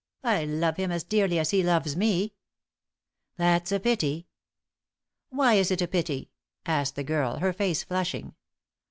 "I love him as dearly as he loves me." "That's a pity." "Why is it a pity?" asked the girl, her face flushing.